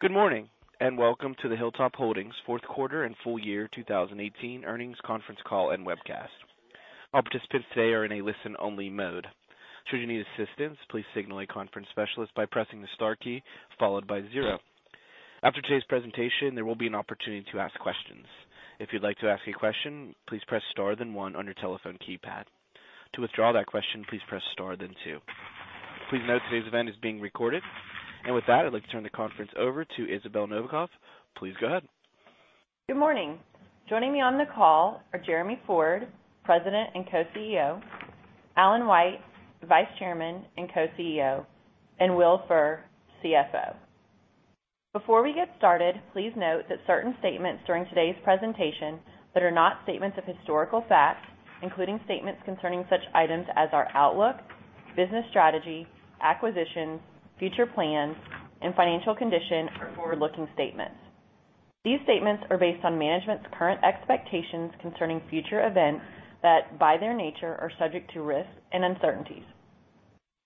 Good morning and welcome to the Hilltop Holdings fourth quarter and full year 2018 earnings conference call and webcast. All participants today are in a listen-only mode. Should you need assistance, please signal a conference specialist by pressing the star key followed by zero. After today's presentation, there will be an opportunity to ask questions. If you'd like to ask a question, please press star, then one on your telephone keypad. To withdraw that question, please press star, then two. Please note today's event is being recorded. With that, I'd like to turn the conference over to Isabell Novakov. Please go ahead. Good morning. Joining me on the call are Jeremy Ford, President and Co-CEO, Alan White, Vice Chairman and Co-CEO, and Will Furr, CFO. Before we get started, please note that certain statements during today's presentation that are not statements of historical facts including statements concerning such items as our outlook, business strategy, acquisitions, future plans, and financial condition are forward-looking statements. These statements are based on management's current expectations concerning future events that, by their nature, are subject to risks and uncertainties.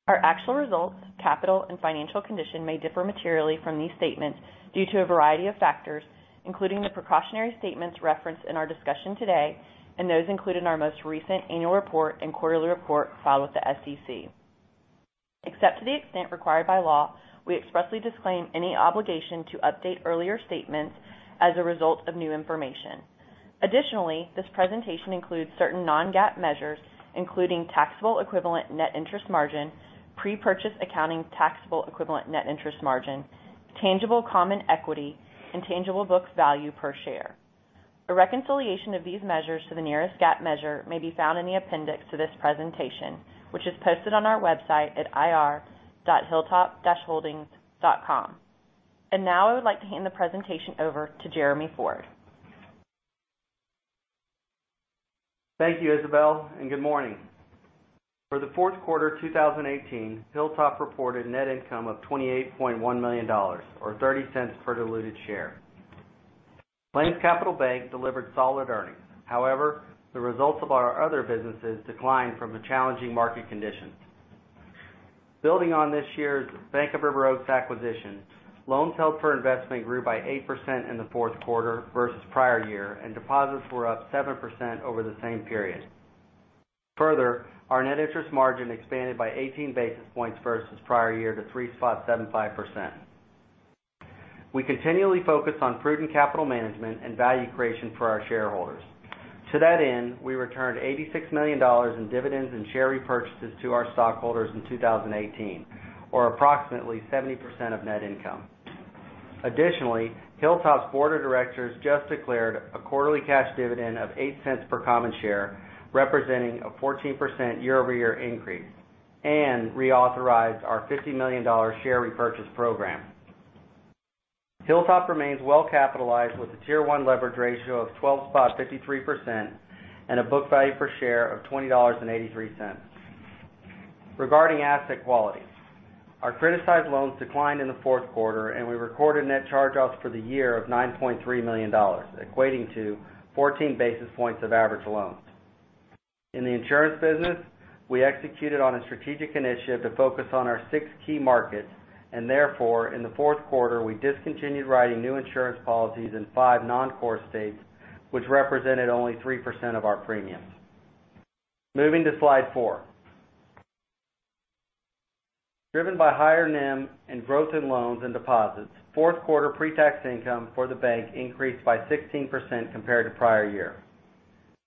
Our actual results, capital, and financial condition may differ materially from these statements due to a variety of factors, including the precautionary statements referenced in our discussion today and those included in our most recent annual report and quarterly report filed with the SEC. Except to the extent required by law, we expressly disclaim any obligation to update earlier statements as a result of new information. Additionally, this presentation includes certain non-GAAP measures, including taxable equivalent net interest margin, prepurchase accounting taxable equivalent net interest margin, tangible common equity, and tangible book value per share. A reconciliation of these measures to the nearest GAAP measure may be found in the appendix to this presentation, which is posted on our website at ir.hilltop-holdings.com. Now I would like to hand the presentation over to Jeremy Ford. Thank you, Isabell and good morning. For the fourth quarter 2018, Hilltop reported net income of $28.1 million, or $0.30 per diluted share. PlainsCapital Bank delivered solid earnings. However, the results of our other businesses declined from the challenging market conditions. Building on this year's Bank of River Oaks acquisition, loans held for investment grew by 8% in the fourth quarter versus prior year, and deposits were up 7% over the same period. Further, our net interest margin expanded by 18 basis points versus prior year to 3.75%. We continually focus on prudent capital management and value creation for our shareholders. To that end, we returned $86 million in dividends and share repurchases to our stockholders in 2018, or approximately 70% of net income. Additionally, Hilltop's board of directors just declared a quarterly cash dividend of $0.08 per common share, representing a 14% year-over-year increase, and reauthorized our $50 million share repurchase program. Hilltop remains well capitalized with a Tier One leverage ratio of 12.53% and a book value per share of $20.83. Regarding asset quality, our criticized loans declined in the fourth quarter, and we recorded net charge-offs for the year of $9.3 million, equating to 14 basis points of average loans. In the insurance business, we executed on a strategic initiative to focus on our six key markets, and therefore, in the fourth quarter, we discontinued writing new insurance policies in five non-core states, which represented only 3% of our premiums. Moving to slide four. Driven by higher NIM and growth in loans and deposits, fourth quarter pre-tax income for the bank increased by 16% compared to prior year.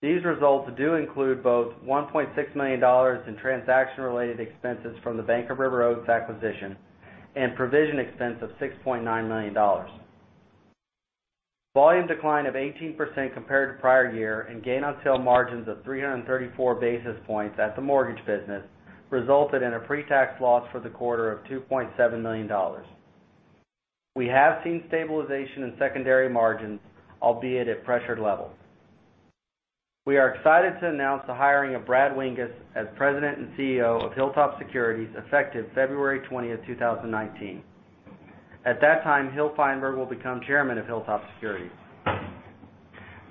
These results do include both $1.6 million in transaction-related expenses from The Bank of River Oaks acquisition and provision expense of $6.9 million. Volume decline of 18% compared to prior year and gain on sale margins of 334 basis points at the mortgage business resulted in a pre-tax loss for the quarter of $2.7 million. We have seen stabilization in secondary margins, albeit at pressured levels. We are excited to announce the hiring of Brad Winges as President and CEO of HilltopSecurities effective February 20th, 2019. At that time, Hill Feinberg will become Chairman of HilltopSecurities.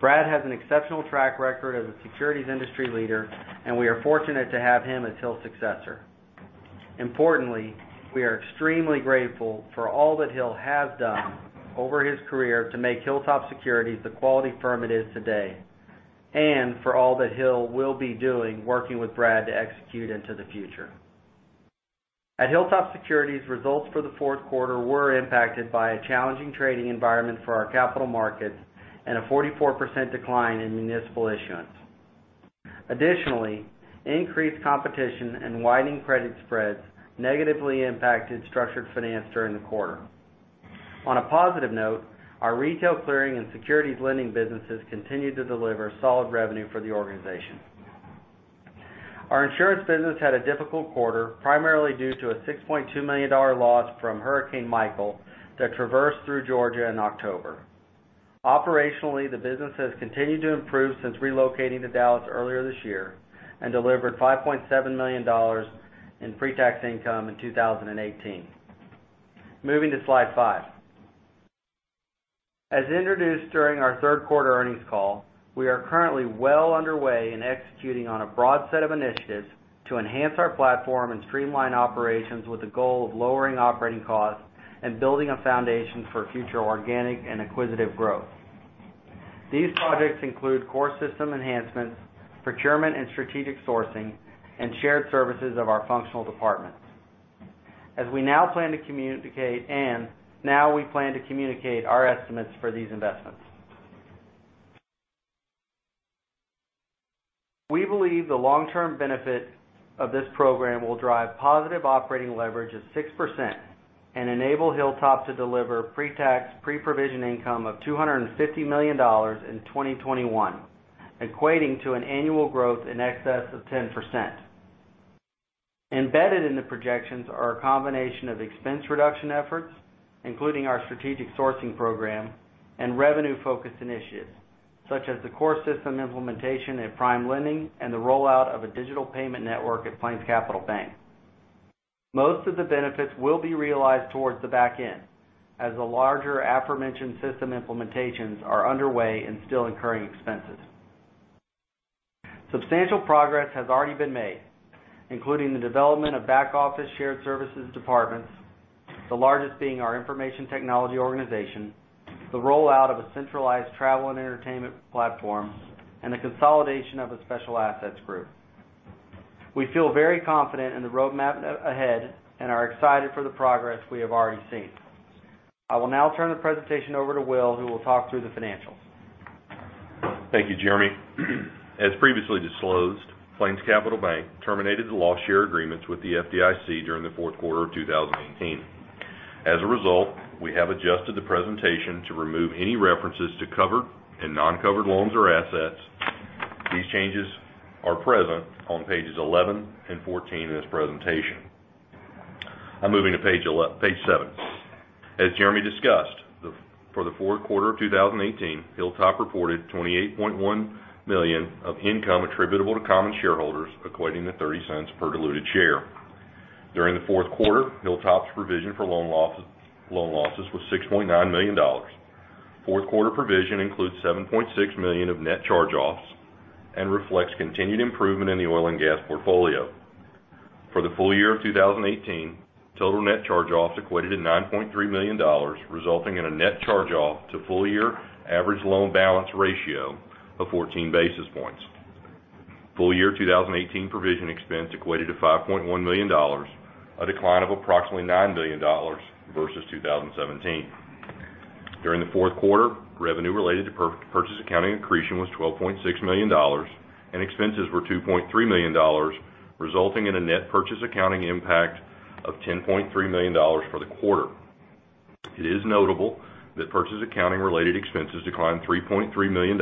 Brad has an exceptional track record as a securities industry leader, and we are fortunate to have him as Hill's successor. We are extremely grateful for all that Hill has done over his career to make HilltopSecurities the quality firm it is today and for all that Hill will be doing working with Brad to execute into the future. At HilltopSecurities, results for the fourth quarter were impacted by a challenging trading environment for our capital markets and a 44% decline in municipal issuance. Increased competition and widening credit spreads negatively impacted structured finance during the quarter. On a positive note, our retail clearing and securities lending businesses continued to deliver solid revenue for the organization. Our insurance business had a difficult quarter, primarily due to a $6.2 million loss from Hurricane Michael that traversed through Georgia in October. Operationally, the business has continued to improve since relocating to Dallas earlier this year and delivered $5.7 million in pre-tax income in 2018. Moving to slide five. As introduced during our third quarter earnings call, we are currently well underway in executing on a broad set of initiatives to enhance our platform and streamline operations with the goal of lowering operating costs and building a foundation for future organic and acquisitive growth. These projects include core system enhancements, procurement and strategic sourcing, and shared services of our functional departments. Now we plan to communicate our estimates for these investments. We believe the long-term benefit of this program will drive positive operating leverage of 6% and enable Hilltop to deliver pre-tax, pre-provision income of $250 million in 2021, equating to an annual growth in excess of 10%. Embedded in the projections are a combination of expense reduction efforts, including our strategic sourcing program and revenue-focused initiatives, such as the core system implementation at PrimeLending and the rollout of a digital payment network at PlainsCapital Bank. Most of the benefits will be realized towards the back end, as the larger aforementioned system implementations are underway and still incurring expenses. Substantial progress has already been made, including the development of back office shared services departments, the largest being our information technology organization, the rollout of a centralized travel and entertainment platform, and the consolidation of a special assets group. We feel very confident in the roadmap ahead and are excited for the progress we have already seen. I will now turn the presentation over to Will, who will talk through the financials. Thank you, Jeremy. As previously disclosed, PlainsCapital Bank terminated the loss share agreements with the FDIC during the fourth quarter of 2018. As a result, we have adjusted the presentation to remove any references to covered and non-covered loans or assets. These changes are present on pages 11 and 14 in this presentation. I'm moving to page seven. As Jeremy discussed, for the fourth quarter of 2018, Hilltop reported $28.1 million of income attributable to common shareholders, equating to $0.30 per diluted share. During the fourth quarter, Hilltop's provision for loan losses was $6.9 million. Fourth-quarter provision includes $7.6 million of net charge-offs and reflects continued improvement in the oil and gas portfolio. For the full year of 2018, total net charge-offs equated to $9.3 million, resulting in a net charge-off to full-year average loan balance ratio of 14 basis points. Full-year 2018 provision expense equated to $5.1 million, a decline of approximately $9 billion versus 2017. During the fourth quarter, revenue related to purchase accounting accretion was $12.6 million, and expenses were $2.3 million, resulting in a net purchase accounting impact of $10.3 million for the quarter. It is notable that purchase accounting-related expenses declined $3.3 million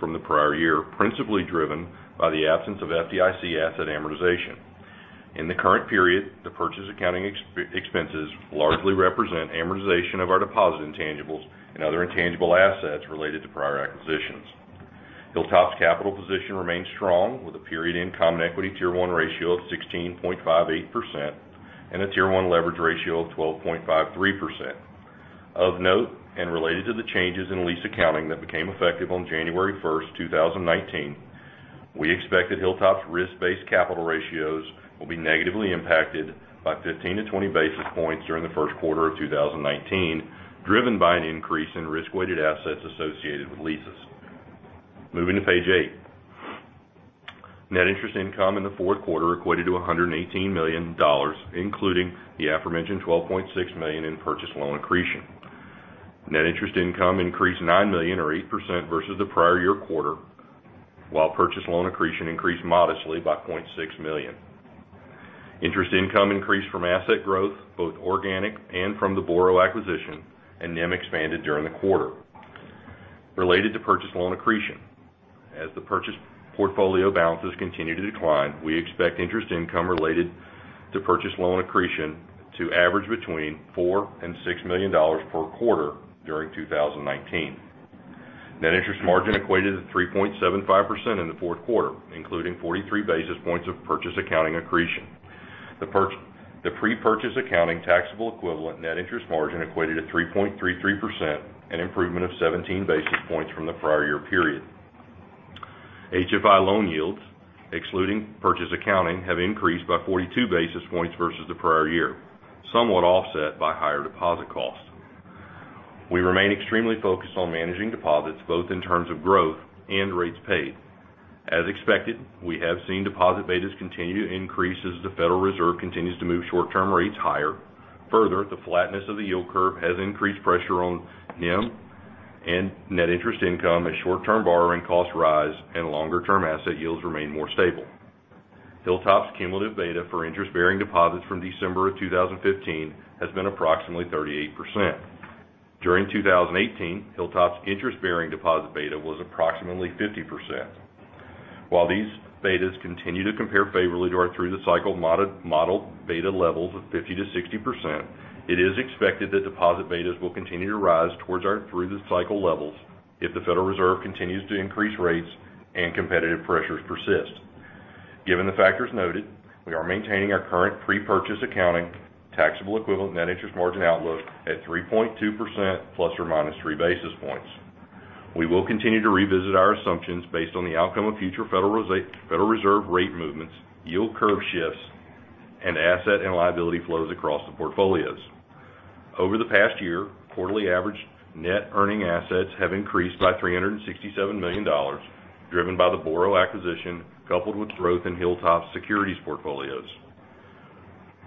from the prior year, principally driven by the absence of FDIC asset amortization. In the current period, the purchase accounting expenses largely represent amortization of our deposit intangibles and other intangible assets related to prior acquisitions. Hilltop's capital position remains strong with a period end Common Equity Tier One ratio of 16.58% and a Tier One leverage ratio of 12.53%. Of note, related to the changes in lease accounting that became effective on January 1st, 2019, we expect that Hilltop's risk-based capital ratios will be negatively impacted by 15 basis points-20 basis points during the first quarter of 2019, driven by an increase in risk-weighted assets associated with leases. Moving to page eight. Net interest income in the fourth quarter equated to $118 million, including the aforementioned $12.6 million in purchase loan accretion. Net interest income increased $9 million, or 8%, versus the prior year quarter while purchase loan accretion increased modestly by $0.6 million. Interest income increased from asset growth, both organic and from the BORO acquisition, and NIM expanded during the quarter. Related to purchase loan accretion. As the purchase portfolio balances continue to decline, we expect interest income related to purchase loan accretion to average between $4 million and $6 million per quarter during 2019. Net interest margin equated to 3.75% in the fourth quarter, including 43 basis points of purchase accounting accretion. The pre-purchase accounting taxable equivalent net interest margin equated to 3.33%, an improvement of 17 basis points from the prior year period. HFI loan yields, excluding purchase accounting, have increased by 42 basis points versus the prior year, somewhat offset by higher deposit costs. We remain extremely focused on managing deposits, both in terms of growth and rates paid. As expected, we have seen deposit betas continue to increase as the Federal Reserve continues to move short-term rates higher. Further, the flatness of the yield curve has increased pressure on NIM and net interest income as short-term borrowing costs rise and longer-term asset yields remain more stable. Hilltop's cumulative beta for interest-bearing deposits from December of 2015 has been approximately 38%. During 2018, Hilltop's interest-bearing deposit beta was approximately 50%. While these betas continue to compare favorably to our through-the-cycle model beta levels of 50%-60%, it is expected that deposit betas will continue to rise towards our through-the-cycle levels if the Federal Reserve continues to increase rates and competitive pressures persist. Given the factors noted, we are maintaining our current prepurchase accounting taxable equivalent net interest margin outlook at 3.2%, plus or minus 3 basis points. We will continue to revisit our assumptions based on the outcome of future Federal Reserve rate movements, yield curve shifts, and asset and liability flows across the portfolios. Over the past year, quarterly average net earning assets have increased by $367 million, driven by the BORO acquisition, coupled with growth in HilltopSecurities portfolios.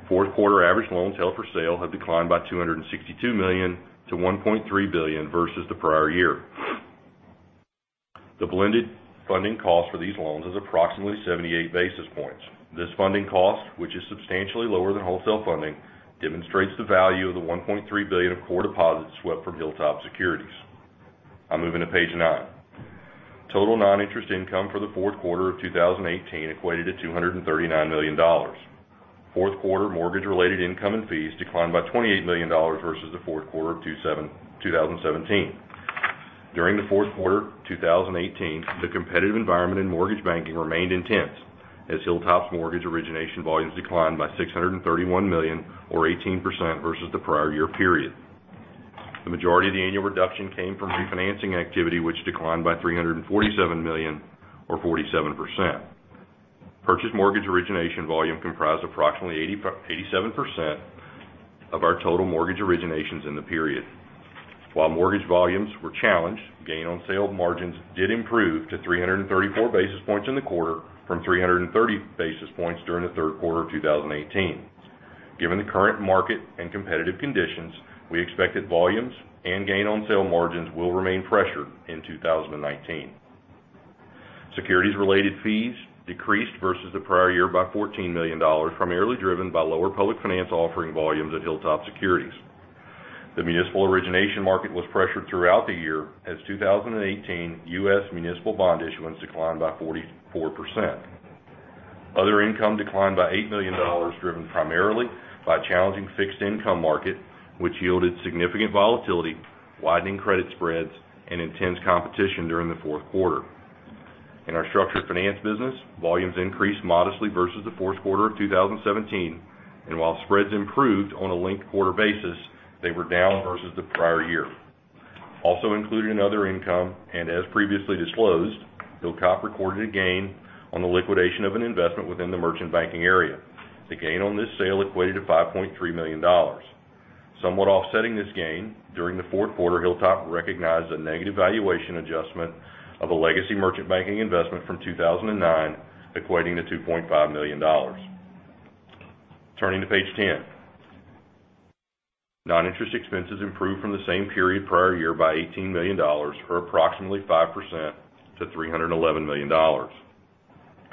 Fourth quarter average loans held for sale have declined by $262 million to $1.3 billion, versus the prior year. The blended funding cost for these loans is approximately 78 basis points. This funding cost, which is substantially lower than wholesale funding, demonstrates the value of the $1.3 billion of core deposits swept from HilltopSecurities. I move to page nine. Total non-interest income for the fourth quarter of 2018 equated to $239 million. Fourth quarter mortgage-related income and fees declined by $28 million versus the fourth quarter of 2017. During the fourth quarter 2018, the competitive environment in mortgage banking remained intense, as Hilltop's mortgage origination volumes declined by $631 million, or 18%, versus the prior year period. The majority of the annual reduction came from refinancing activity, which declined by $347 million, or 47%. Purchase mortgage origination volume comprised approximately 87% of our total mortgage originations in the period. While mortgage volumes were challenged, gain on sale margins did improve to 334 basis points in the quarter from 330 basis points during the third quarter of 2018. Given the current market and competitive conditions, we expect that volumes and gain on sale margins will remain pressured in 2019. Securities-related fees decreased versus the prior year by $14 million, primarily driven by lower public finance offering volumes at HilltopSecurities. The municipal origination market was pressured throughout the year as 2018 U.S. municipal bond issuance declined by 44%. Other income declined by $8 million, driven primarily by a challenging fixed income market, which yielded significant volatility, widening credit spreads, and intense competition during the fourth quarter. In our structured finance business, volumes increased modestly versus the fourth quarter of 2017, and while spreads improved on a linked-quarter basis, they were down versus the prior year. Also included in other income, as previously disclosed, Hilltop recorded a gain on the liquidation of an investment within the merchant banking area. The gain on this sale equated to $5.3 million. Somewhat offsetting this gain, during the fourth quarter, Hilltop recognized a negative valuation adjustment of a legacy merchant banking investment from 2009, equating to $2.5 million. Turning to page 10. Non-interest expenses improved from the same period prior year by $18 million, or approximately 5%, to $311 million.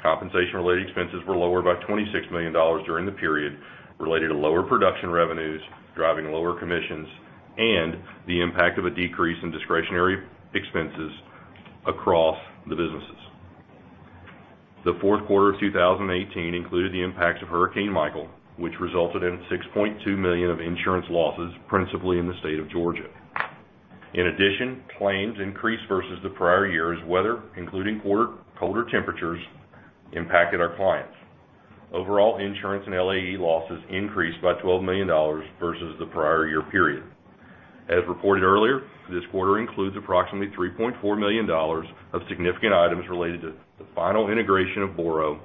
Compensation-related expenses were lower by $26 million during the period related to lower production revenues driving lower commissions, and the impact of a decrease in discretionary expenses across the businesses. The fourth quarter of 2018 included the impacts of Hurricane Michael, which resulted in $6.2 million of insurance losses, principally in the state of Georgia. In addition, claims increased versus the prior year as weather, including colder temperatures, impacted our clients. Overall, insurance and LAE losses increased by $12 million versus the prior year period. As reported earlier, this quarter includes approximately $3.4 million of significant items related to the final integration of BORO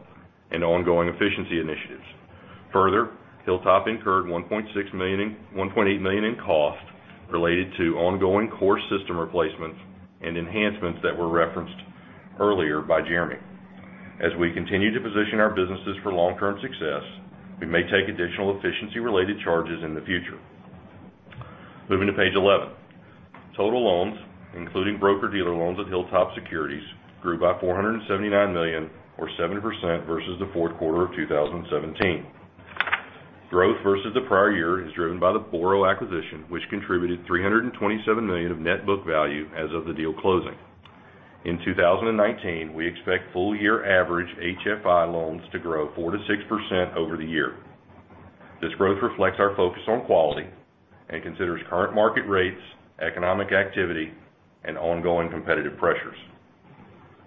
and ongoing efficiency initiatives. Hilltop incurred $1.8 million in costs related to ongoing core system replacements and enhancements that were referenced earlier by Jeremy. As we continue to position our businesses for long-term success, we may take additional efficiency-related charges in the future. Moving to page 11. Total loans, including broker dealer loans at HilltopSecurities, grew by $479 million, or 7%, versus the fourth quarter of 2017. Growth versus the prior year is driven by the BORO acquisition which contributed $327 million of net book value as of the deal closing. In 2019, we expect full year average HFI loans to grow 4%-6% over the year. This growth reflects our focus on quality and considers current market rates, economic activity, and ongoing competitive pressures.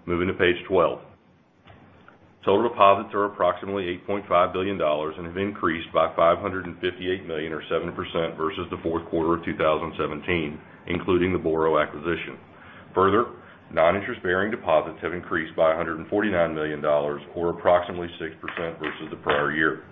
Moving to page 12. Total deposits are approximately $8.5 billion and have increased by $558 million or 7% versus the fourth quarter of 2017, including the BORO acquisition. Non-interest-bearing deposits have increased by $149 million, or approximately 6%, versus the prior year.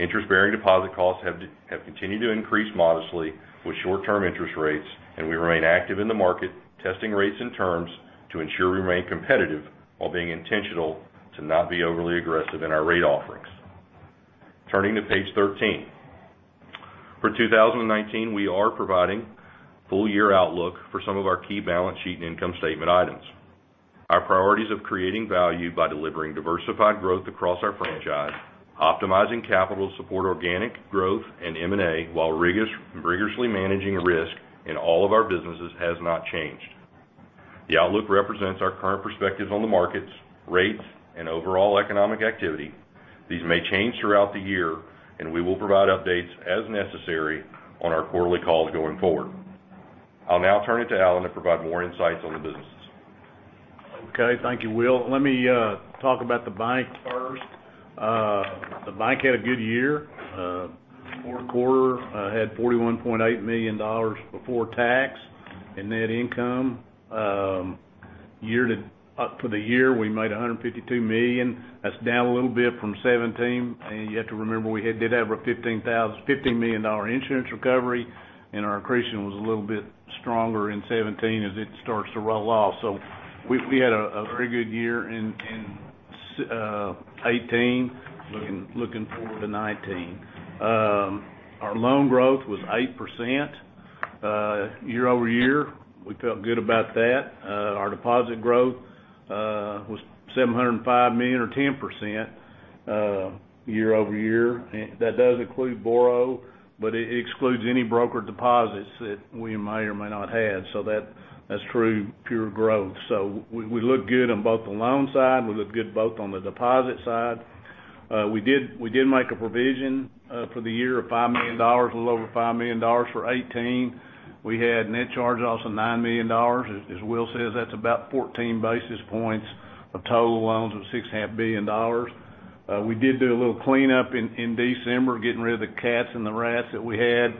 Interest-bearing deposit costs have continued to increase modestly with short-term interest rates, and we remain active in the market, testing rates and terms, to ensure we remain competitive while being intentional to not be overly aggressive in our rate offerings. Turning to page 13. For 2019, we are providing full year outlook for some of our key balance sheet and income statement items. Our priorities of creating value by delivering diversified growth across our franchise, optimizing capital support organic growth and M&A, while rigorously managing risk in all of our businesses has not changed. The outlook represents our current perspectives on the markets, rates, and overall economic activity. These may change throughout the year, we will provide updates as necessary on our quarterly calls going forward. I'll now turn it to Alan to provide more insights on the business. Okay. Thank you, Will. Let me talk about the bank first. The bank had a good year. Fourth quarter had $41.8 million before tax in net income. Up for the year, we made $152 million. That's down a little bit from 2017, and you have to remember, we did have a $15 million insurance recovery, and our accretion was a little bit stronger in 2017 as it starts to roll off. We had a very good year in 2018, looking forward to 2019. Our loan growth was 8% year-over-year. We felt good about that. Our deposit growth was $705 million, or 10%, year-over-year. That does include borrow but it excludes any broker deposits that we may or may not have. That's true pure growth. We look good on both the loan side, we look good both on the deposit side. We did make a provision for the year of a little over $5 million for 2018. We had net charge-off of $9 million. As Will says, that's about 14 basis points of total loans of $6.5 billion. We did do a little cleanup in December, getting rid of the cats and the rats that we had,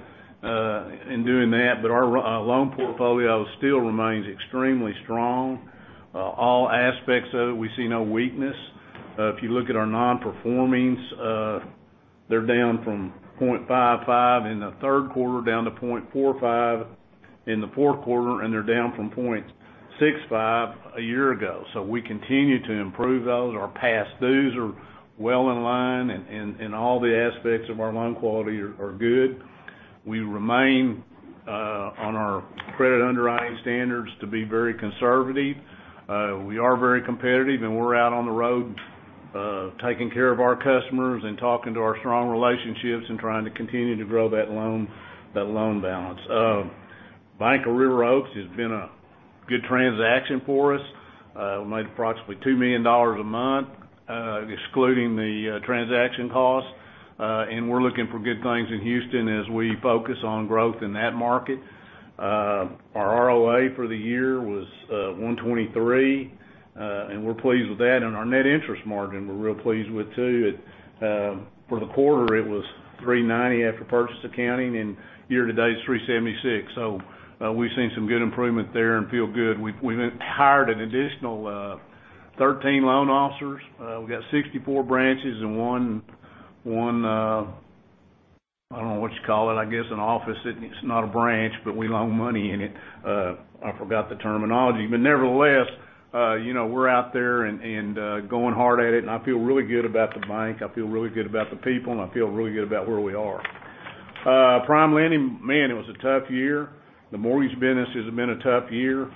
in doing that. Our loan portfolio still remains extremely strong. All aspects of it, we see no weakness. If you look at our non-performings, they're down from 0.55% in the third quarter, down to 0.45% in the fourth quarter, and they're down from 0.65% a year ago. We continue to improve those. Our past dues are well in line, and all the aspects of our loan quality are good. We remain on our credit underwriting standards to be very conservative. We are very competitive, and we're out on the road, taking care of our customers and talking to our strong relationships and trying to continue to grow that loan balance. Bank of River Oaks has been a good transaction for us. We made approximately $2 million a month, excluding the transaction cost. We're looking for good things in Houston as we focus on growth in that market. Our ROA for the year was 1.23%, and we're pleased with that. Our net interest margin, we're real pleased with too. For the quarter, it was 3.90% after purchase accounting, and year-to-date, it's 3.76%. We've seen some good improvement there and feel good. We hired an additional 13 loan officers. We've got 64 branches and one, I don't know what you call it, I guess an office. It's not a branch, but we loan money in it. I forgot the terminology. Nevertheless, we're out there and going hard at it, and I feel really good about the bank, I feel really good about the people, and I feel really good about where we are. PrimeLending, man, it was a tough year. The mortgage business has been a tough year.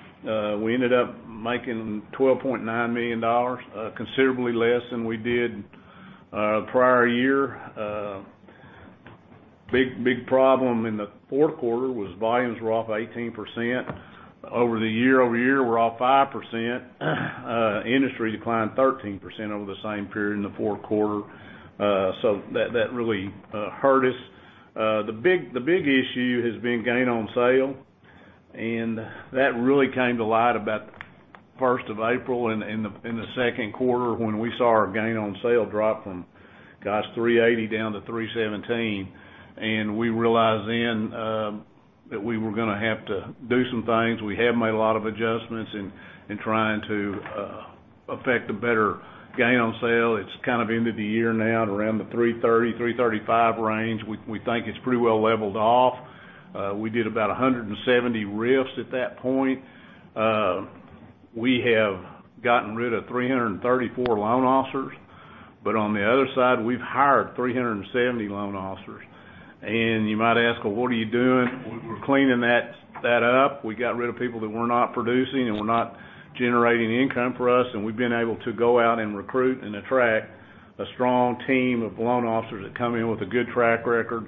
We ended up making $12.9 million, considerably less than we did prior year. Big problem in the fourth quarter was volumes were off 18%. Over the year-over-year, we're off 5%. Industry declined 13% over the same period in the fourth quarter. That really hurt us. The big issue has been gain on sale. That really came to light about the 1st of April in the second quarter, when we saw our gain on sale drop from, gosh, 3.80% down to 3.17%. We realized then, that we were going to have to do some things. We have made a lot of adjustments in trying to affect a better gain on sale. It's kind of ended the year now at around the 330, 335 range. We think it's pretty well leveled off. We did about 170 RIFs at that point. We have gotten rid of 334 loan officers, but on the other side, we've hired 370 loan officers. You might ask, Well, what are you doing? We're cleaning that up. We got rid of people that were not producing and were not generating income for us. We've been able to go out and recruit and attract a strong team of loan officers that come in with a good track record,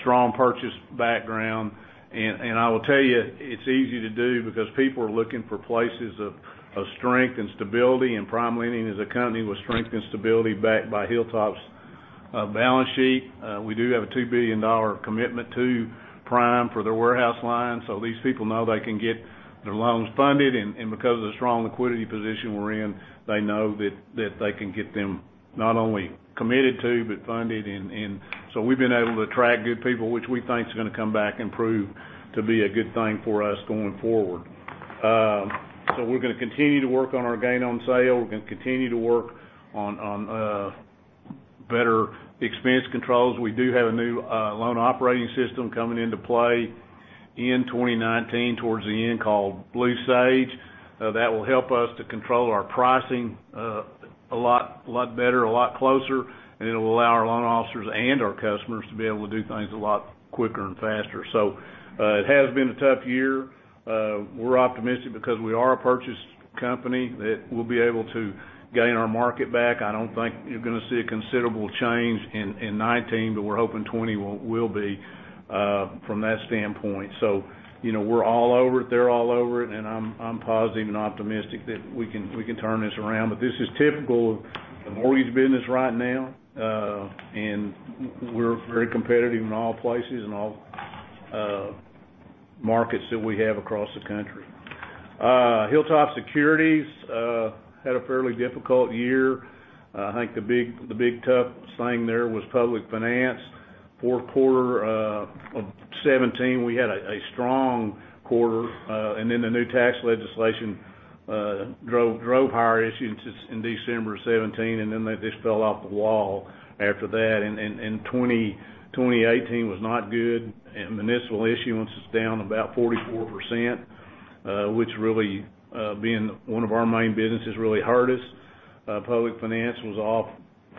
strong purchase background. I will tell you, it's easy to do because people are looking for places of strength and stability. PrimeLending is a company with strength and stability backed by Hilltop's balance sheet. We do have a $2 billion commitment to Prime for their warehouse line, so these people know they can get their loans funded. Because of the strong liquidity position we're in, they know that they can get them not only committed to but funded. We've been able to attract good people which we think is going to come back and prove to be a good thing for us going forward. We're going to continue to work on our gain on sale. We're going to continue to work on better expense controls. We do have a new loan operating system coming into play in 2019, towards the end, called Blue Sage. That will help us to control our pricing a lot better, a lot closer, and it'll allow our loan officers and our customers to be able to do things a lot quicker and faster. It has been a tough year. We're optimistic because we are a purchase company that we'll be able to gain our market back. I don't think you're going to see a considerable change in 2019 but we're hoping 2020 will be, from that standpoint. We're all over it, they're all over it, and I'm positive and optimistic that we can turn this around. This is typical of the mortgage business right now. We're very competitive in all places and all markets that we have across the country. HilltopSecurities had a fairly difficult year. I think the big tough thing there was public finance. Fourth quarter of 2017, we had a strong quarter, then the new tax legislation, drove higher issuances in December 2017, then they just fell off the wall after that. 2018 was not good, municipal issuance is down about 44%, which really, being one of our main businesses, really hurt us. Public finance was off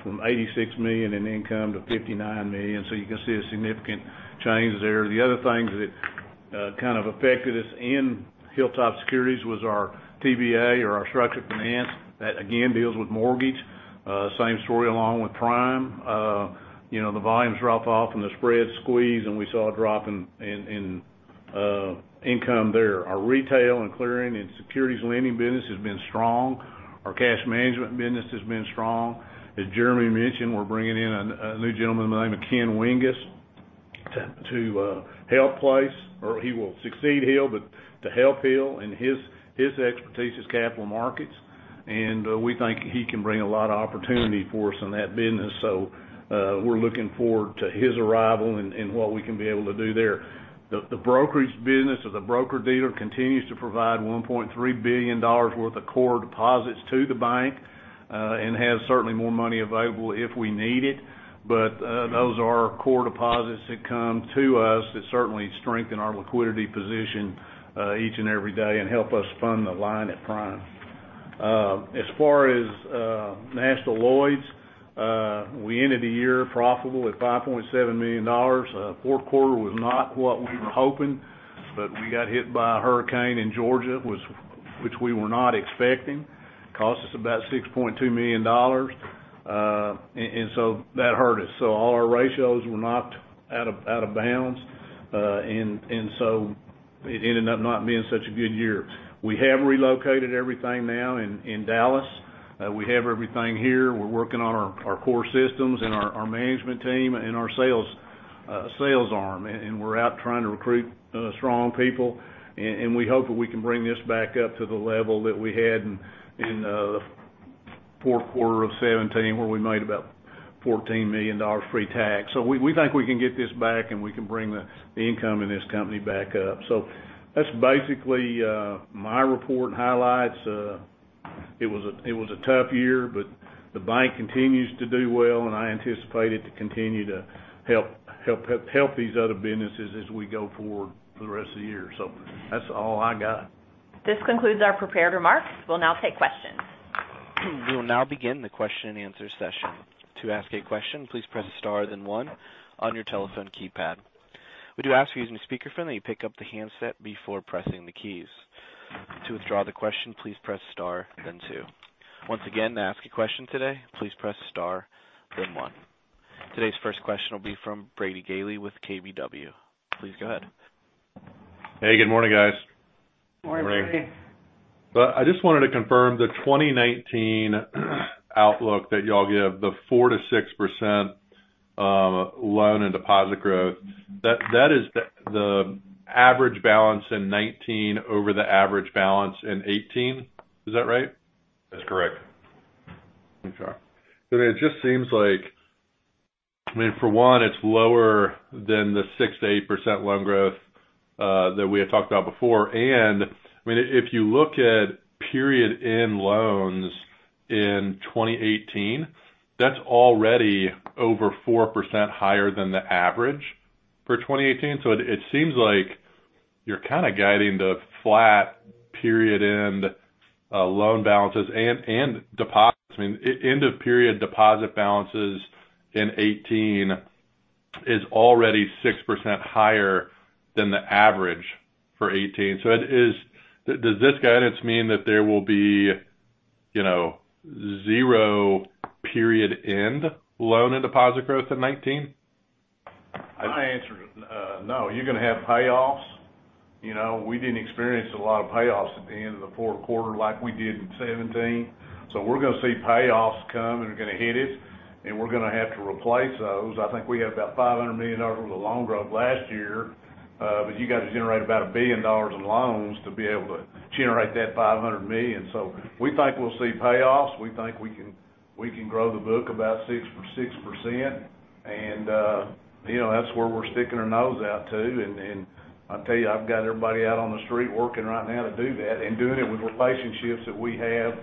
from $86 million in income to $59 million, you can see a significant change there. The other things that kind of affected us in HilltopSecurities was our TBA or our structured finance, that again deals with mortgage. Same story along with Prime. The volumes drop off and the spreads squeeze, we saw a drop in income there. Our retail and clearing and securities lending business has been strong. Our cash management business has been strong. As Jeremy mentioned, we're bringing in a new gentleman by the name of Brad Winges, or he will succeed Hill but to help Hill and his expertise is capital markets. We think he can bring a lot of opportunity for us in that business. We're looking forward to his arrival and what we can be able to do there. The brokerage business or the broker-dealer continues to provide $1.3 billion worth of core deposits to the bank, and has certainly more money available if we need it. Those are core deposits that come to us that certainly strengthen our liquidity position, each and every day, and help us fund the line at Prime. As far as National Lloyds, we ended the year profitable at $5.7 million. Fourth quarter was not what we were hoping but we got hit by a hurricane in Georgia which we were not expecting. Cost us about $6.2 million. That hurt us. All our ratios were knocked out of bounds. It ended up not being such a good year. We have relocated everything now in Dallas. We have everything here. We're working on our core systems and our management team and our sales arm. We're out trying to recruit strong people and we hope that we can bring this back up to the level that we had in the fourth quarter of 2017, where we made about $14 million pre-tax. We think we can get this back and we can bring the income in this company back up. That's basically my report and highlights. It was a tough year but the bank continues to do well and I anticipate it to continue to help these other businesses as we go forward for the rest of the year. That's all I got. This concludes our prepared remarks. We'll now take questions. We will now begin the question and answer session. To ask a question, please press star then one on your telephone keypad. We do ask for you, using speaker phone, that you pick up the handset before pressing the keys. To withdraw the question, please press star, then two. Once again, to ask a question today, please press star, then one. Today's first question will be from Brady Gailey with KBW. Please go ahead. Hey, good morning, guys. Morning. Morning. Well, I just wanted to confirm the 2019 outlook that y'all gave, the 4%-6% loan and deposit growth, that is the average balance in 2019 over the average balance in 2018. Is that right? That's correct. Okay. It just seems like, I mean, for one, it's lower than the 6%-8% loan growth that we had talked about before. I mean, if you look at period end loans in 2018, that's already over 4% higher than the average for 2018. It seems like you're kind of guiding the flat period end loan balances and end of period deposit balances in 2018 is already 6% higher than the average for 2018. Does this guidance mean that there will be zero period end loan and deposit growth in 2019? I answered it. No. You're going to have payoffs. We didn't experience a lot of payoffs at the end of the fourth quarter like we did in 2017. We're going to see payoffs come and they're going to hit it, and we're going to have to replace those. I think we have about $500 million worth of loan growth last year. You got to generate about $1 billion in loans to be able to generate that $500 million. We think we'll see payoffs. We think we can grow the book about 6% and that's where we're sticking our nose out to. I'll tell you, I've got everybody out on the street working right now to do that. Doing it with relationships that we have,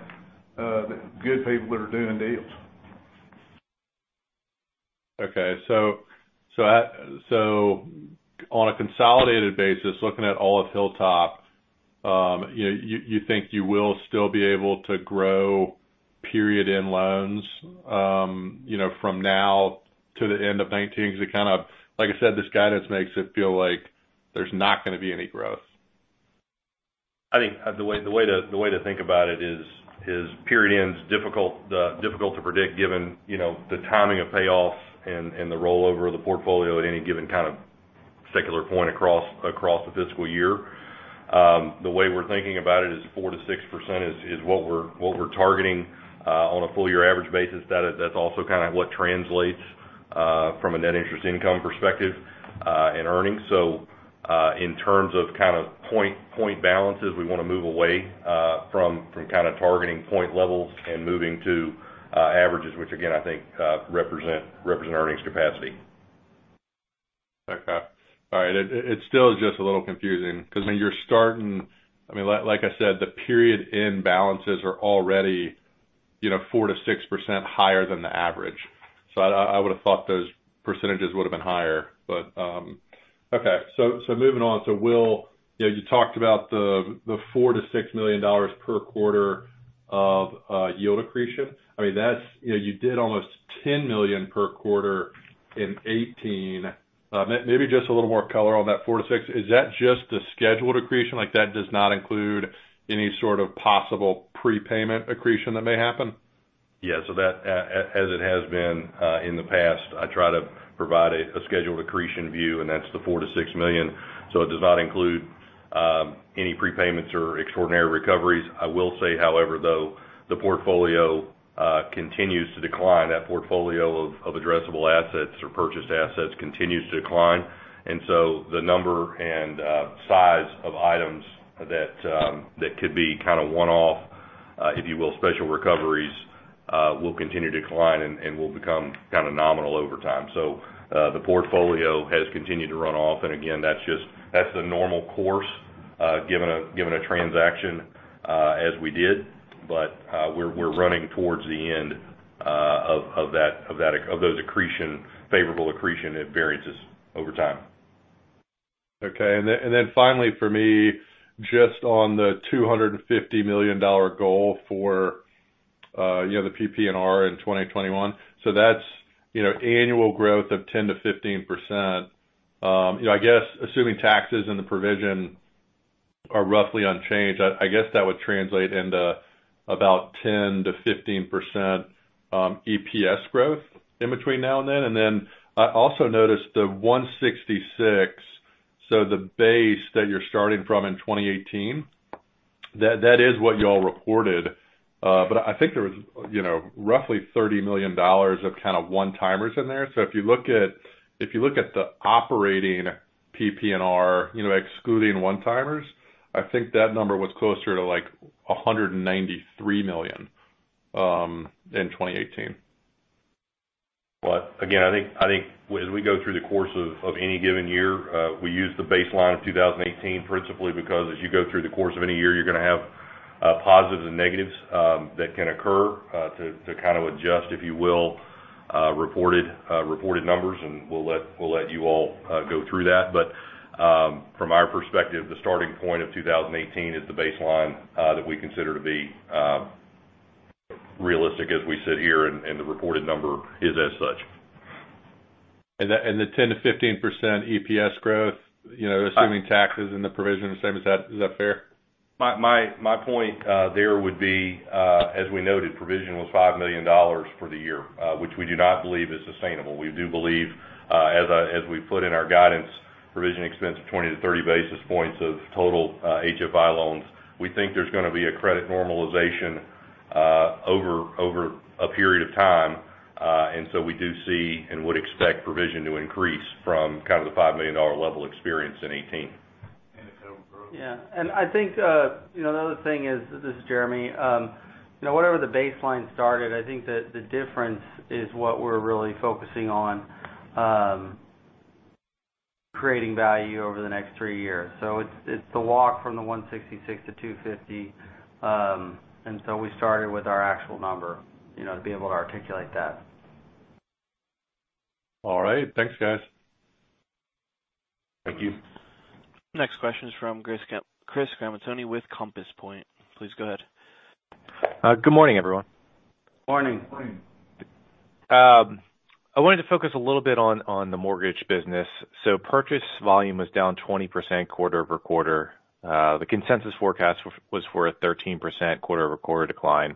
good people that are doing deals. Okay. On a consolidated basis, looking at all of Hilltop, you think you will still be able to grow period end loans, from now to the end of 2019. Like I said, this guidance makes it feel like there's not going to be any growth. I think the way to think about it is period end's difficult to predict given the timing of payoffs and the rollover of the portfolio at any given kind of secular point across the fiscal year. The way we're thinking about it is 4%-6% is what we're targeting on a full year average basis. That's also kind of what translates from a net interest income perspective in earnings. In terms of kind of point balances, we want to move away from kind of targeting point levels and moving to averages, which again, I think represent earnings capacity. Okay. All right. It still is just a little confusing because when you're starting, like I said, the period end balances are already 4% to 6% higher than the average. I would've thought those percentages would've been higher. Okay. Moving on. Will, you talked about the $4 million-$6 million per quarter of yield accretion. You did almost $10 million per quarter in 2018. Maybe just a little more color on that $4 million-$6 million. Is that just the scheduled accretion, like that does not include any sort of possible prepayment accretion that may happen? Yeah. That, as it has been in the past, I try to provide a scheduled accretion view, and that's the $4 million-$6 million. It does not include any prepayments or extraordinary recoveries. I will say, however, though, the portfolio continues to decline. That portfolio of addressable assets or purchased assets continues to decline. The number and size of items that could be kind of one-off, if you will, special recoveries, will continue to decline and will become kind of nominal over time. The portfolio has continued to run off, and again, that's the normal course given a transaction as we did. We're running towards the end of those accretion, favorable accretion variances over time. Okay. Finally for me, just on the $250 million goal for the PPNR in 2021. That's annual growth of 10%-15%. I guess assuming taxes and the provision are roughly unchanged, I guess that would translate into about 10%-15% EPS growth in between now and then. I also noticed the $166 million, the base that you're starting from in 2018, that is what you all reported. I think there was roughly $30 million of kind of one-timers in there. If you look at the operating PPNR, excluding one-timers, I think that number was closer to like $193 million in 2018. I think as we go through the course of any given year, we use the baseline of 2018 principally because as you go through the course of any year, you're going to have positives and negatives that can occur to kind of adjust, if you will, reported numbers and we'll let you all go through that. From our perspective, the starting point of 2018 is the baseline that we consider to be realistic as we sit here, and the reported number is as such. The 10%-15% EPS growth, assuming taxes and the provision the same, is that fair? My point there would be, as we noted, provision was $5 million for the year which we do not believe is sustainable. We do believe as we've put in our guidance, provision expense of 20 basis point-30 basis points of total HFI loans. We think there's going to be a credit normalization over a period of time. We do see and would expect provision to increase from kind of the $5 million level experienced in 2018. If that'll grow. Yeah. I think the other thing is, this is Jeremy, wherever the baseline started, I think that the difference is what we're really focusing on creating value over the next three years. It's the walk from the 166 to 250. We started with our actual number to be able to articulate that. All right. Thanks, guys. Thank you. Next question is from Chris Gamaitoni with Compass Point. Please go ahead. Good morning, everyone. Morning. Morning. I wanted to focus a little bit on the mortgage business. Purchase volume was down 20% quarter-over-quarter. The consensus forecast was for a 13% quarter-over-quarter decline.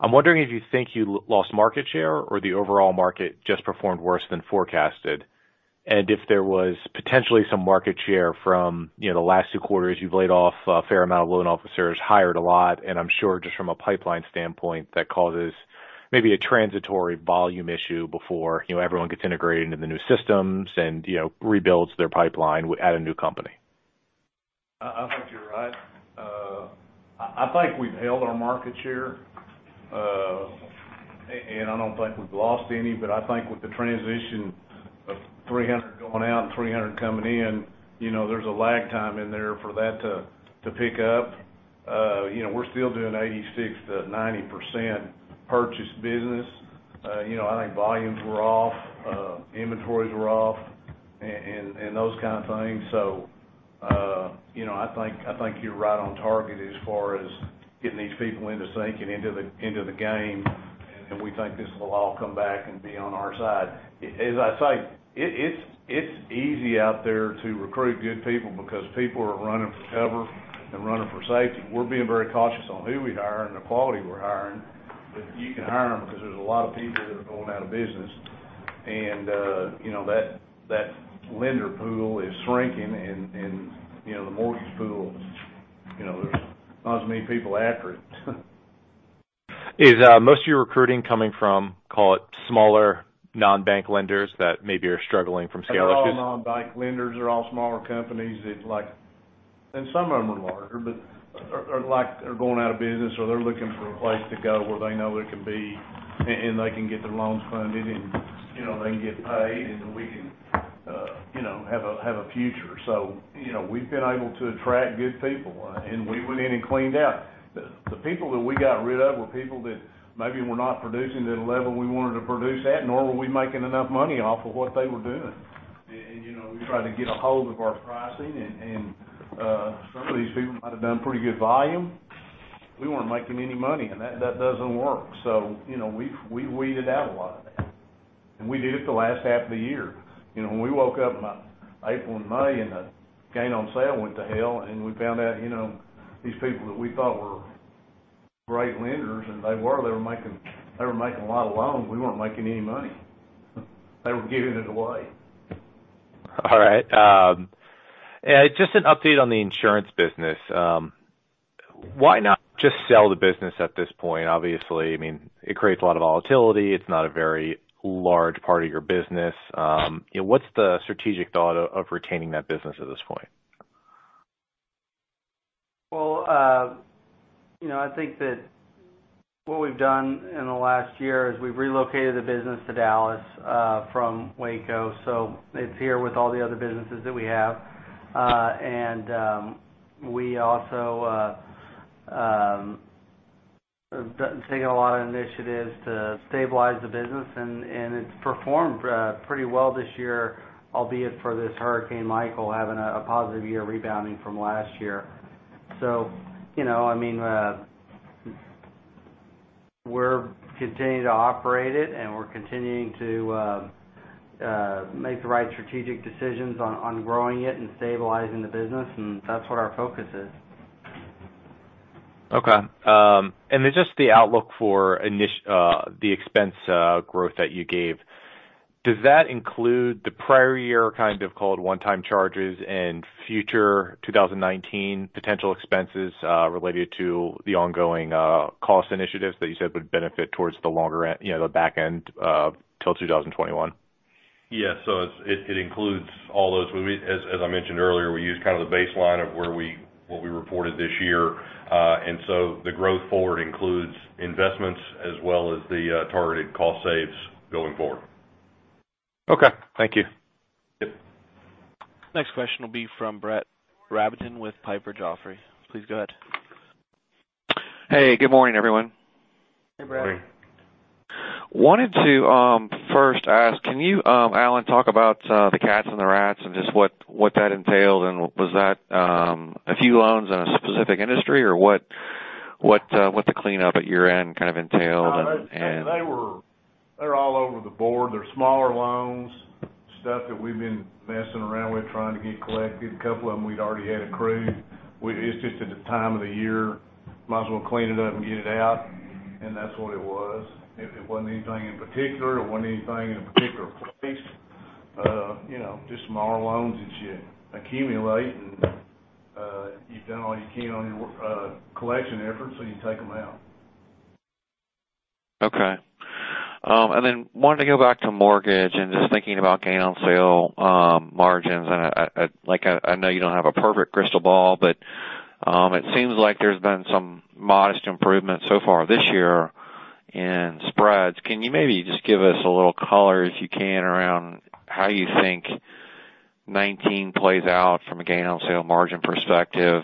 I'm wondering if you think you lost market share or the overall market just performed worse than forecasted? If there was potentially some market share from the last two quarters, you've laid off a fair amount of loan officers, hired a lot, and I'm sure just from a pipeline standpoint that causes maybe a transitory volume issue before everyone gets integrated into the new systems and rebuilds their pipeline at a new company. I think you're right. I think we've held our market share. I don't think we've lost any but I think with the transition of 300 going out and 300 coming in, there's a lag time in there for that to pick up. We're still doing 86%-90% purchase business. I think volumes were off, inventories were off, and those kind of things. I think you're right on target as far as getting these people into sync and into the game. We think this will all come back and be on our side. As I say, it's easy out there to recruit good people because people are running for cover Running for safety. We're being very cautious on who we hire and the quality we're hiring but you can hire them because there's a lot of people that are going out of business. That lender pool is shrinking and there's not as many people after it. Is most of your recruiting coming from, call it smaller, non-bank lenders that maybe are struggling from scale? They're all non-bank lenders. They're all smaller companies that some of them are larger but are going out of business, or they're looking for a place to go where they know they can be, and they can get their loans funded and they can get paid, and we can have a future. We've been able to attract good people. We went in and cleaned out. The people that we got rid of were people that maybe were not producing at a level we wanted to produce at, nor were we making enough money off of what they were doing. We tried to get a hold of our pricing and some of these people might have done pretty good volume. We weren't making any money and that doesn't work. We weeded out a lot of that. We did it the last half of the year. When we woke up in about April and May, and the gain on sale went to hell, and we found out these people that we thought were great lenders, and they were, they were making a lot of loans, we weren't making any money. They were giving it away. All right. Just an update on the insurance business. Why not just sell the business at this point? Obviously, it creates a lot of volatility. It's not a very large part of your business. What's the strategic thought of retaining that business at this point? Well, I think that what we've done in the last year is we've relocated the business to Dallas from Waco. It's here with all the other businesses that we have. We also have taken a lot of initiatives to stabilize the business, and it's performed pretty well this year, albeit for this Hurricane Michael having a positive year rebounding from last year. We're continuing to operate it and we're continuing to make the right strategic decisions on growing it and stabilizing the business, and that's what our focus is. Okay. Just the outlook for the expense growth that you gave. Does that include the prior year kind of, call it one-time charges and future 2019 potential expenses related to the ongoing cost initiatives that you said would benefit towards the longer end, the back end till 2021? Yes. It includes all those. As I mentioned earlier, we use kind of the baseline of what we reported this year. The growth forward includes investments as well as the targeted cost saves going forward. Okay. Thank you. Yep. Next question will be from Brett Rabatin with Piper Jaffray. Please go ahead. Hey, good morning, everyone. Hey, Brett. Morning. Wanted to, first ask, can you, Alan, talk about the cats and the rats and just what that entailed and was that a few loans in a specific industry, or what the cleanup at your end kind of entailed? They were all over the board. They're smaller loans, stuff that we've been messing around with, trying to get collected. A couple of them, we'd already had accrued. It's just at the time of the year, might as well clean it up and get it out and that's what it was. It wasn't anything in particular. It wasn't anything in a particular place. Just smaller loans that you accumulate and you've done all you can on your collection efforts, so you take them out. Okay. Wanted to go back to mortgage and just thinking about gain on sale margins. I know you don't have a perfect crystal ball but it seems like there's been some modest improvement so far this year in spreads. Can you maybe just give us a little color, if you can, around how you think 2019 plays out from a gain on sale margin perspective?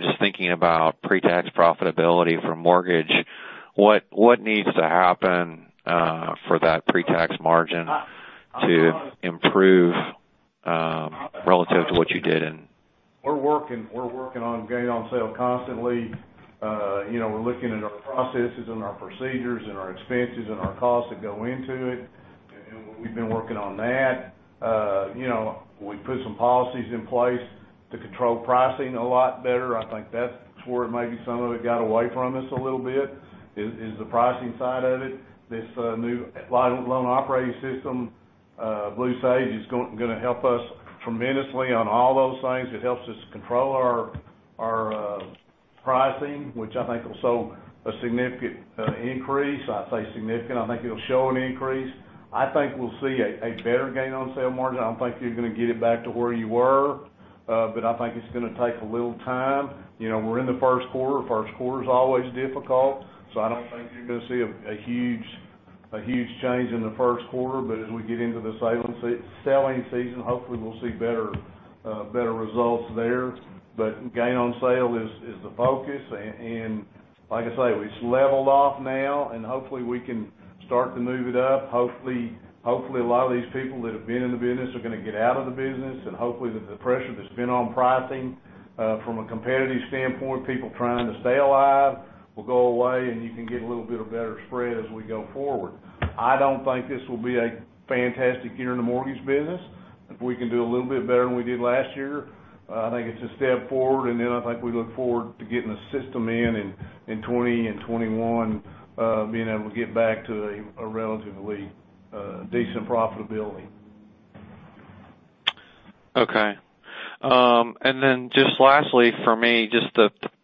Just thinking about pre-tax profitability from mortgage, what needs to happen for that pre-tax margin to improve relative to what you did in. We're working on gain on sale constantly. We're looking at our processes and our procedures and our expenses and our costs that go into it. We've been working on that. We put some policies in place to control pricing a lot better. I think that's where maybe some of it got away from us a little bit, is the pricing side of it. This new loan operating system, Blue Sage, is going to help us tremendously on all those things. It helps us control our pricing which I think will show a significant increase. I say significant, I think it'll show an increase. I think we'll see a better gain on sale margin. I don't think you're going to get it back to where you were. I think it's going to take a little time. We're in the first quarter. First quarter's always difficult. I don't think you're going to see a huge change in the first quarter. As we get into the selling season, hopefully, we'll see better results there. Gain on sale is the focus. Like I say, it's leveled off now, and hopefully, we can start to move it up. Hopefully, a lot of these people that have been in the business are going to get out of the business. Hopefully, the pressure that's been on pricing from a competitive standpoint, people trying to stay alive, will go away, and you can get a little bit of better spread as we go forward. I don't think this will be a fantastic year in the mortgage business. If we can do a little bit better than we did last year, I think it's a step forward. I think we look forward to getting a system in 2020 and 2021 being able to get back to a relatively decent profitability. Lastly for me, just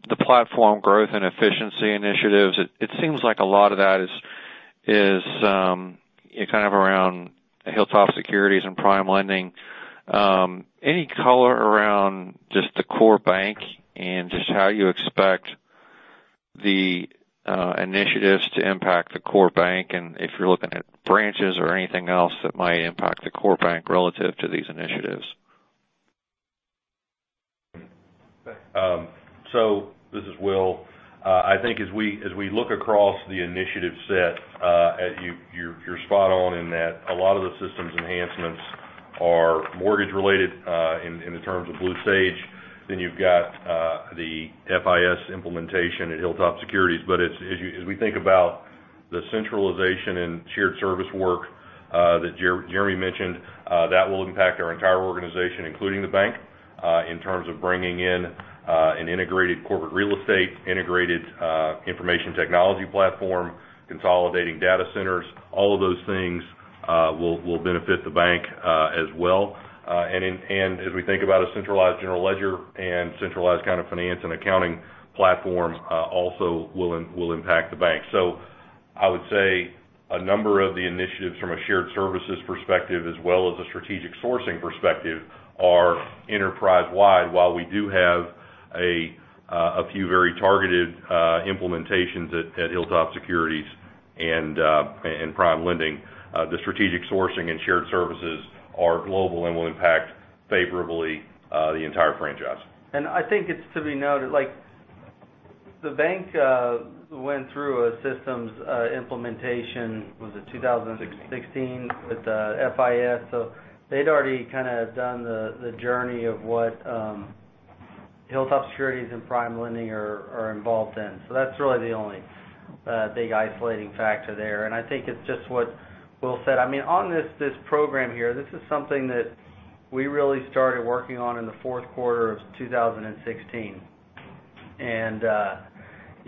the platform growth and efficiency initiatives. It seems like a lot of that is kind of around HilltopSecurities and PrimeLending. Any color around just the core bank and just how you expect the initiatives to impact the core bank and if you're looking at branches or anything else that might impact the core bank relative to these initiatives? This is Will. I think as we look across the initiative set, you're spot on in that a lot of the systems enhancements are mortgage related in the terms of Blue Sage. You've got the FIS implementation at HilltopSecurities. As we think about the centralization and shared service work that Jeremy mentioned, that will impact our entire organization, including the bank, in terms of bringing in an integrated corporate real estate, integrated information technology platform, consolidating data centers. All of those things will benefit the bank as well. As we think about a centralized general ledger and centralized kind of finance and accounting platform, also will impact the bank. I would say a number of the initiatives from a shared services perspective as well as a strategic sourcing perspective are enterprise-wide. While we do have a few very targeted implementations at HilltopSecurities and PrimeLending, the strategic sourcing and shared services are global and will impact favorably the entire franchise. I think it's to be noted, the bank went through a systems implementation. Was it 2016 with FIS? They'd already kind of done the journey of what HilltopSecurities and PrimeLending are involved in. That's really the only big isolating factor there. I think it's just what Will said. On this program here, this is something that we really started working on in the fourth quarter of 2016.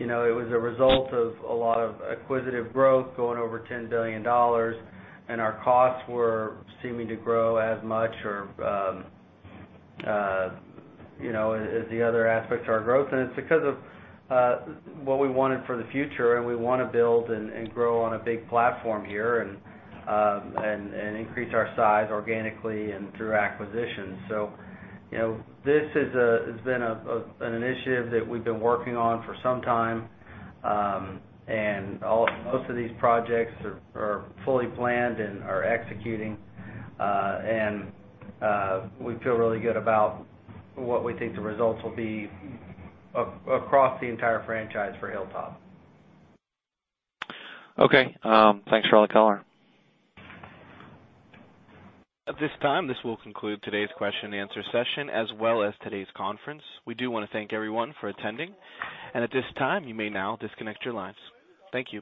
It was a result of a lot of acquisitive growth going over $10 billion and our costs were seeming to grow as much or as the other aspects of our growth. It's because of what we wanted for the future and we want to build and grow on a big platform here and increase our size organically and through acquisitions. This has been an initiative that we've been working on for some time. Most of these projects are fully planned and are executing. We feel really good about what we think the results will be across the entire franchise for Hilltop. Okay. Thanks for all the color. At this time, this will conclude today's question and answer session, as well as today's conference. We do want to thank everyone for attending. At this time, you may now disconnect your lines. Thank you